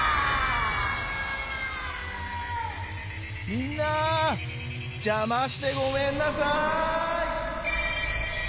みんなじゃましてごめんなさい！